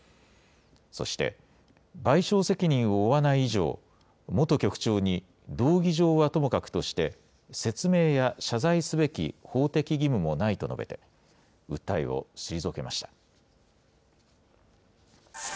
そして、賠償責任を負わない以上、元局長に道義上はともかくとして、説明や謝罪すべき法的義務もないと述べて、訴えを退けました。